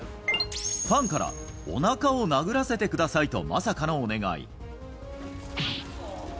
ファンから、おなかを殴らせてくださいとまさかのお願い。